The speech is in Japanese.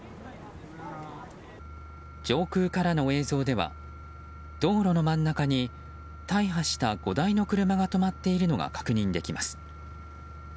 上空からの映像では道路の真ん中に大破した５台の車が止まっているのが確認できます。